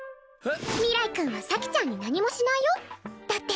明日君は咲ちゃんに何もしないよだって